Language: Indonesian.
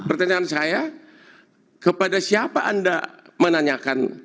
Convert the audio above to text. pertanyaan saya kepada siapa anda menanyakan